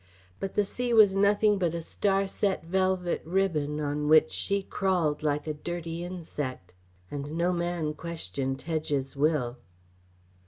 But the sea was nothing but a star set velvet ribbon on which she crawled like a dirty insect. And no man questioned Tedge's will.